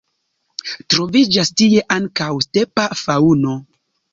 Troviĝas tie ankaŭ stepa faŭno.